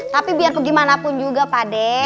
tapi biar kegimanapun juga pak d